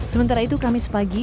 sementara itu kamis pagi